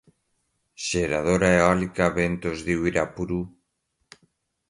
Geradora Eólica Ventos de Uirapuru